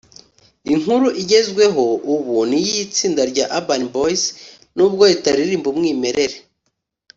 Inkuru igezweho ubu ni iy’Itsinda rya Urban Boys n’ubwo ritaririmba umwimerere